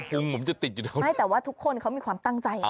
ุงผมจะติดอยู่ไม่แต่ว่าทุกคนเขามีความตั้งใจ